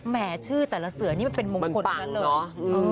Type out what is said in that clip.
แม่ชื่อแต่ละเสือนี่มันเป็นมงคลทั้งนั้นเลย